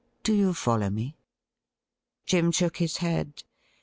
Do you follow me ?' Jim shook his head.